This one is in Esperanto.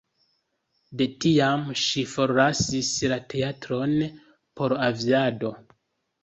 De tiam ŝi forlasis la teatron por aviado.